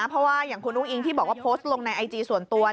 เพราะว่าอย่างคุณอุ้งอิงที่บอกว่าโพสต์ลงในไอจีส่วนตัว